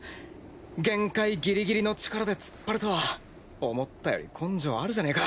限界ギリギリの力で突っ張るとは思ったより根性あるじゃねえか。